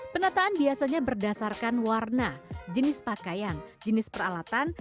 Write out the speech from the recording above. penataan biasanya berdasarkan warna jenis pakaian jenis peralatan